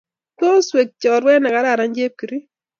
Tos weg chorwet ne kararan Chepkirui.